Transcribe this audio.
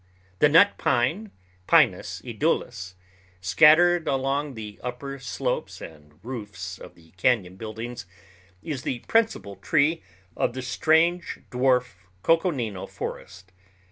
The nut pine (Pinus edulis) scattered along the upper slopes and roofs of the cañon buildings, is the principal tree of the strange dwarf Coconino Forest.